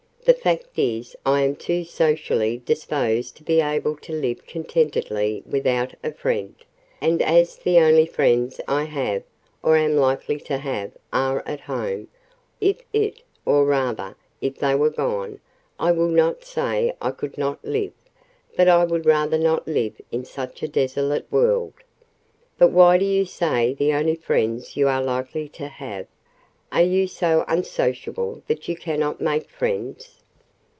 The fact is I am too socially disposed to be able to live contentedly without a friend; and as the only friends I have, or am likely to have, are at home, if it—or rather, if they were gone—I will not say I could not live—but I would rather not live in such a desolate world." "But why do you say the only friends you are likely to have? Are you so unsociable that you cannot make friends?"